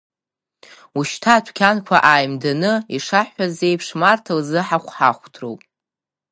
Ушьҭа адәқьанқәа ааимданы, ишаҳҳәаз еиԥш, Марҭа лзы ҳахәҳахәҭроуп.